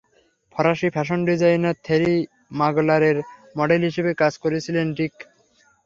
ফরাসি fashion designer Thierry মাগলারের model হিসেবে কাজ করেছিলেন রিক।